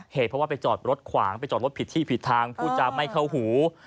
เหตุเพราะว่าไปจอดรถขวางไปจอดรถผิดที่ผิดทางพูดจะไม่เข้าหู